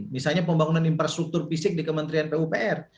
misalnya pembangunan infrastruktur fisik di kementerian pupr